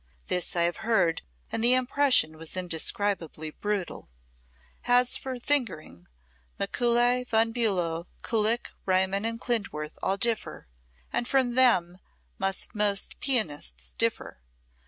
This I have heard, and the impression was indescribably brutal. As for fingering, Mikuli, Von Bulow, Kullak, Riemann and Klindworth all differ, and from them must most pianists differ.